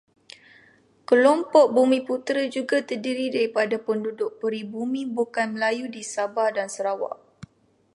Kelompok bumiputera juga terdiri daripada penduduk peribumi bukan Melayu di Sabah dan Sarawak.